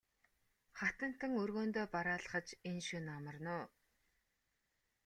Хатантан өргөөндөө бараалхаж энэ шөнө амарна уу?